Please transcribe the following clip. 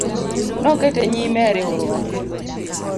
Nokete nyime e riwruok